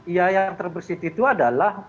ya yang terbersih itu adalah